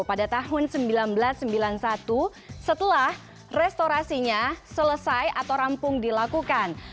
pada tahun seribu sembilan ratus sembilan puluh satu setelah restorasinya selesai atau rampung dilakukan